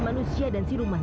jangan berdiri juma